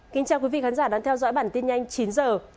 kính chào quý vị khán giả đang theo dõi bản tin nhanh chín h